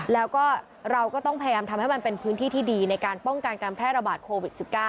แล้วก็เราก็ต้องพยายามทำให้มันเป็นพื้นที่ที่ดีในการป้องกันการแพร่ระบาดโควิด๑๙